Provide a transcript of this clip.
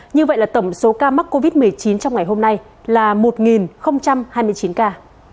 như vậy là tổng số ca mắc covid một mươi chín trong ngày hôm nay là một hai mươi chín ca